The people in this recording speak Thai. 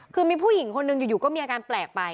คือมีผู้หญิงคนหนึ่งอยู่ก็มีอาการแปลกไป